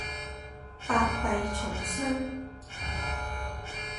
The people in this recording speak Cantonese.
百弊叢生